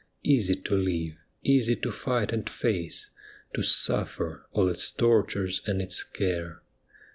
Easy to live, easy to fight and face, To suffer all its tortures and its care.